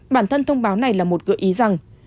bản thân thông báo này là một gợi ý rằng